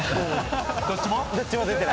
どっちも？